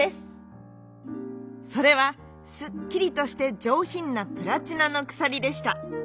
それはすっきりとしてじょうひんなプラチナのくさりでした。